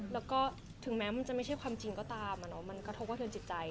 แล้วก็ถึงแม้มันจะไม่ใช่ความจริงก็ตามมันกระทบกระเทือนจิตใจ